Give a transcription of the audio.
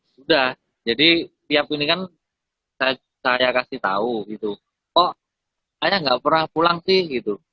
sudah jadi tiap ini kan saya kasih tahu gitu oh ayah nggak pernah pulang sih gitu